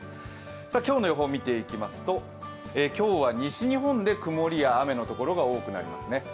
今日の予報を見ていきますと西日本で曇りや雨の所が多くなります。